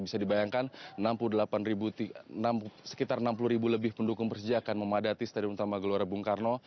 bisa dibayangkan sekitar enam puluh ribu lebih pendukung persija akan memadati stadion utama gelora bung karno